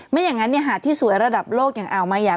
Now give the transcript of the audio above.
ไม่อย่างนั้นหาดที่สวยระดับโลกอย่างอ่าวมายา